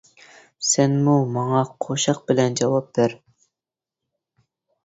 -سەنمۇ ماڭا قوشاق بىلەن جاۋاب بەر.